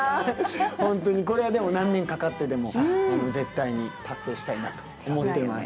本当にこれはでも何年かかってでも絶対に達成したいなと思っています。